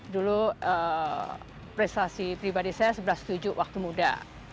dulu prestasi pribadi saya sebelas tujuh waktu muda